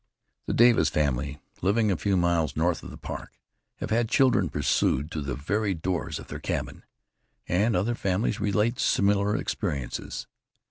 The Davis family, living a few miles north of the park, have had children pursued to the very doors of their cabin. And other families relate similar experiences.